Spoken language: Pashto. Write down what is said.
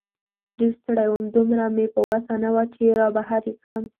ډېر ستړی وم، دومره مې په وسه نه وه چې را بهر یې کړم.